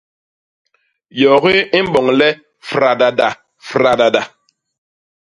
Yogi i mboñ le fradada-fradada.